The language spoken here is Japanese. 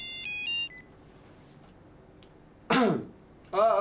・ああ。